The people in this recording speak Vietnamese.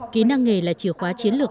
kỹ năng nghề là chìa khóa chiến lược